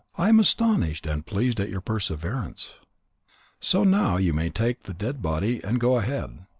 I am astonished and pleased at your perseverance. So now you may take the dead body and go ahead.